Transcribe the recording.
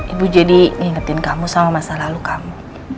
ibu jadi ngingetin kamu sama masa lalu kamu